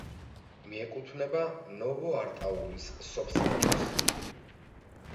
მიეკუთვნება ნოვოარტაულის სოფსაბჭოს.